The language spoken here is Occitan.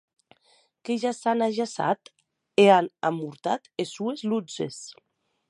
Que ja s’an ajaçat e an amortat es sues lutzes.